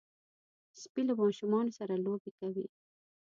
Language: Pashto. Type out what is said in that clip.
سپي له ماشومانو سره لوبې کوي.